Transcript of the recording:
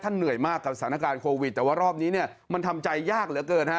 เหนื่อยมากกับสถานการณ์โควิดแต่ว่ารอบนี้เนี่ยมันทำใจยากเหลือเกินฮะ